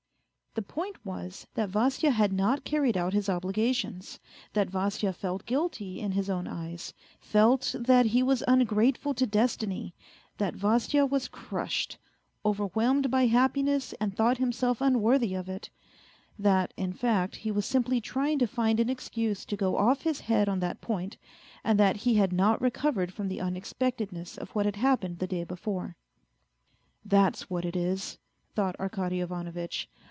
The point was, that Vasya had not carried out his obligations, that Vasya felt guilty in his own eyes, felt that he was ungrateful to destiny, that Vasya was crushed, overwhelmed by happiness and thought himself unworthy of it ; that, in fact, he was simply trying to find an excuse to go off his head on that point, and that he had not recovered from the unexpectedness of what had happened the day before ; that's what it is," thought Arkady Ivanovitch.